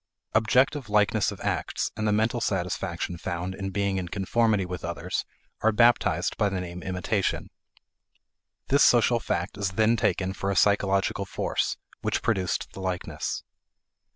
Objective likeness of acts and the mental satisfaction found in being in conformity with others are baptized by the name imitation. This social fact is then taken for a psychological force, which produced the likeness.